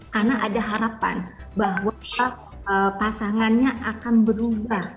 karena ada harapan bahwa pasangannya akan berubah